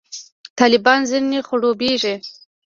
طالبان ځنې خړوبېږي.